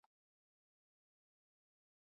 Barran eta zutik kontsumitzea debekatuta dago.